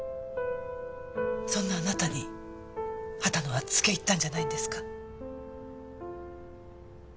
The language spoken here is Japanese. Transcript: そんなあなたに秦野はつけ入ったんじゃないんですか？